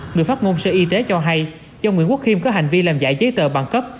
người phát ngôn sở y tế cho hay do nguyễn quốc khiêm có hành vi làm giả giấy tờ bằng cấp